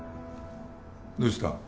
どうした？